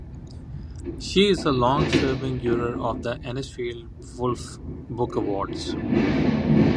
She is a long-serving juror of the Anisfield-Wolf Book Awards.